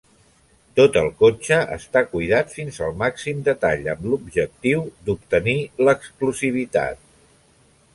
Tot el cotxe està cuidat fins al màxim detall amb l'objectiu d'obtenir l'exclusivitat.